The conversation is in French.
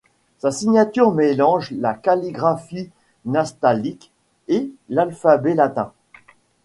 Sa signature mélange la calligraphie nastaliq et l'alphabet latin.